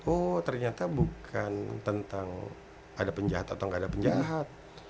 oh ternyata bukan tentang ada penjahat atau nggak ada penjahat